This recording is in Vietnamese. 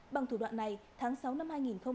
bằng thủ đoạn này tháng sáu năm hai nghìn hai mươi